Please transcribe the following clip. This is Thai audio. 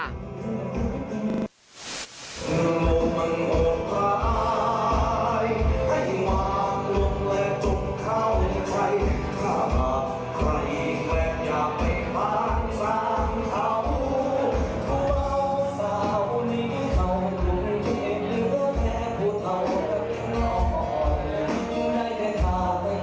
แซวกันใหญ่เลยค่ะเอาไปชมภาพกันหน่อยค่ะ